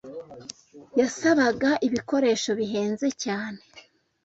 yasabaga ibikoresho bihenze cyane